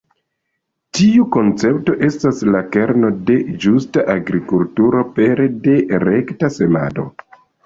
Tiu koncepto estas la kerno de ĝusta agrikulturo pere de rekta semado.